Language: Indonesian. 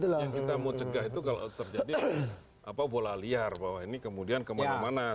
yang kita mau cegah itu kalau terjadi bola liar bahwa ini kemudian kemana mana